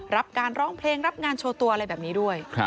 รับการร้องเพลงรับงานโชว์ตัวอะไรแบบนี้ด้วย